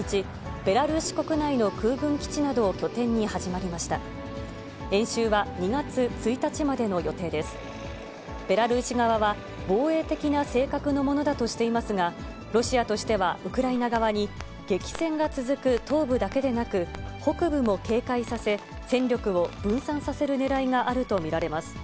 ベラルーシ側は、防衛的な性格のものだとしていますがロシアとしては、ウクライナ側に激戦が続く東部だけでなく、北部も警戒させ、戦力を分散させるねらいがあると見られます。